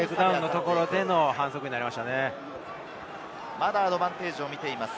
まだアドバンテージを見ています。